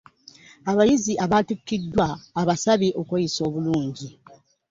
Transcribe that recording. Abayizi abatikkiddwa abasabye okweyisa obulungi